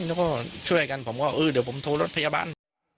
แล้วก็ช่วยกันผมก็เออเดี๋ยวผมโทรรถพยาบาล